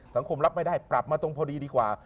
รับไม่ได้ปรับมาตรงพอดีดีกว่า